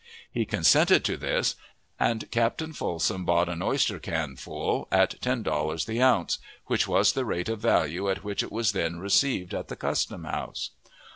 He consented to this, and Captain Folsom bought an oyster can full at ten dollars the ounce, which was the rate of value at which it was then received at the custom house.